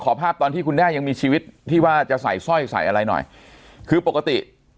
ภาพตอนที่คุณแม่ยังมีชีวิตที่ว่าจะใส่สร้อยใส่อะไรหน่อยคือปกติ